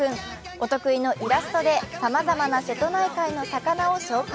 お得意のイラストで、さまざまな瀬戸内海の魚を紹介。